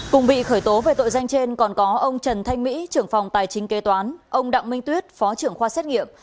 cùng bị khởi tố về tội danh trên còn có ông trần thanh mỹ trưởng phòng tài chính kế toán ông đặng minh tuyết phó trưởng khoa xét nghiệm